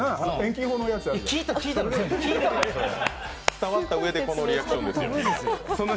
伝わったうえで、このリアクションですよ、みんな。